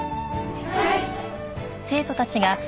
はい。